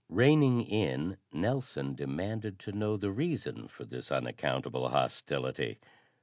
Reining in, Nelson demanded to know the reason for this unaccountable hostility.